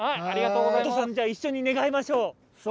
おとうさんじゃあ一緒に願いましょう。